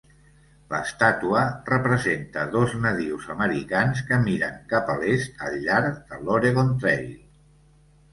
L'estàtua representa dos nadius americans que miren cap a l'est al llarg de l'Oregon Trail.